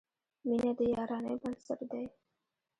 • مینه د یارانې بنسټ دی.